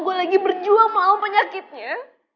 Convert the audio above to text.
gue lagi berjuang mau penyakitnya